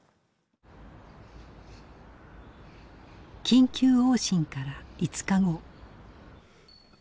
緊急往診から５日後。